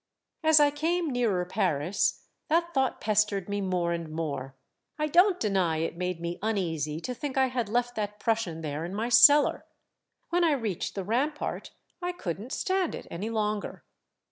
As I came nearer Paris, that thought pestered me more and more. I don't deny it made me uneasy to think I had left that Prussian there in my cellar. When I reached the rampart, I could n't stand it any longer.